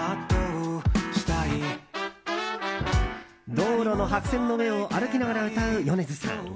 道路の白線の上を歩きながら歌う米津さん。